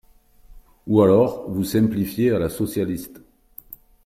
Ou alors, vous simplifiez à la socialiste